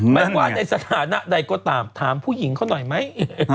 ไม่ว่าในสถานะใดก็ตามถามผู้หญิงเขาหน่อยไหม